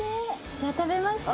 じゃ食べますか。